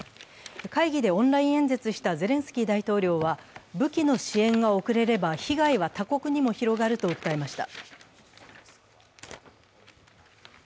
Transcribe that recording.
会議でオンライン演説したゼレンスキー大統領は武器の支援が遅れれば被害は他国にも広がると訴えました。